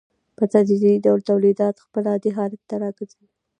په تدریجي ډول تولیدات خپل عادي حالت ته راګرځي